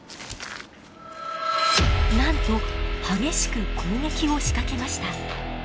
なんと激しく攻撃を仕掛けました。